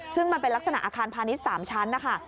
ซึ่งมันเป็นลักษณะอาคารพาณิชย์๓ชั้นนะคะ